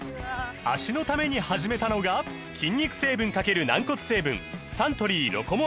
脚のために始めたのが筋肉成分×軟骨成分サントリー「ロコモア」です